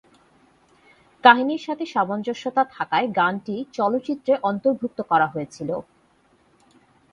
কাহিনীর সাথে সামঞ্জস্যতা থাকায় গানটি চলচ্চিত্রে অন্তর্ভুক্ত করা হয়েছিল।